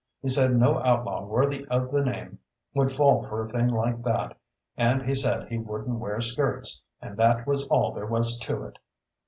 He said no outlaw worthy of the name would fall for a thing like that, and he said he wouldn't wear skirts, and that was all there was to it.